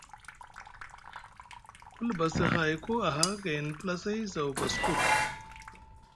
Ku libasi hahayku aha gayni plasai zaw baskur,